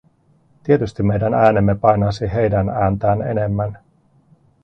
Tietysti meidän äänemme painaisi heidän ääntään enemmän.